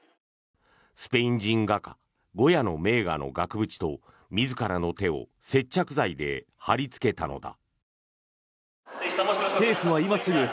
スペイン人画家ゴヤの名画の額縁と自らの手を接着剤で貼りつけたのだ。